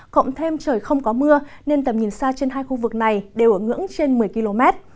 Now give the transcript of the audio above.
cộng thêm trời không có mưa nên tầm nhìn xa trên hai khu vực này đều ở ngưỡng trên một mươi km